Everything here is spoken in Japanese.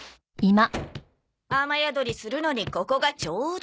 雨宿りするのにここがちょうど。